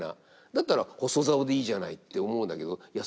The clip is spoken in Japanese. だったら細棹でいいじゃないって思うんだけどいや